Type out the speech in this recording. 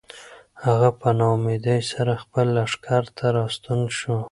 هغه په ناامیدۍ سره خپل لښکر ته راستون شو.